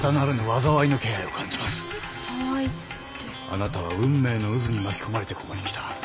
あなたは運命の渦に巻き込まれてここに来た。